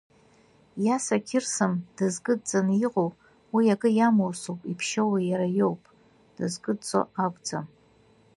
Иса қьырсам дызкыдҵан иҟоу уи акы иамусуп иԥшьоу иара иоуп, дызкыдҵо акәӡам…